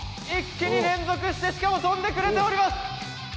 一気に連続して跳んでくれております。